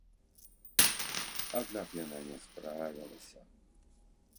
Адна б яна не справілася.